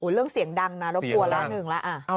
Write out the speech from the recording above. เรื่องเสียงดังนะรบกวนละหนึ่งแล้ว